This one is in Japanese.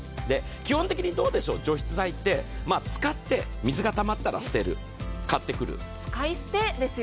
基本的に除湿剤って、使って水がたまったら捨てる、買ってくる。